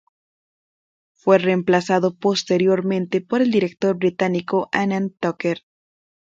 Fue reemplazado posteriormente por el director británico Anand Tucker.